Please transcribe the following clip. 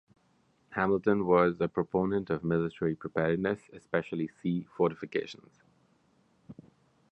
Hamilton was a proponent of military preparedness, especially sea fortifications.